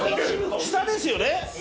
下ですよね？